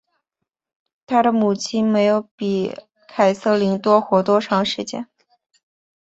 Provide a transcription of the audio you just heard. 她的母亲没有比凯瑟琳多活多长时间。